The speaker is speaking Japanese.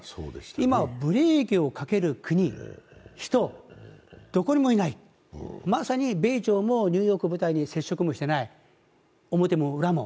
今はブレーキをかける国、人、どこにもいない、まさに米朝もニューヨークを舞台に接触もしていない、表も裏も。